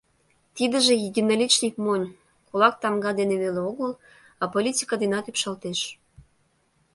Тидыже единоличник монь, кулак тамга дене веле огыл, а политика денат ӱпшалтеш.